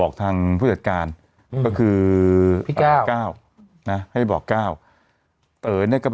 คือมันจะมีช็อคทนึง